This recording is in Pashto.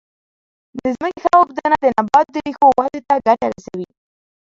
د ځمکې ښه اوبدنه د نبات د ریښو ودې ته ګټه رسوي.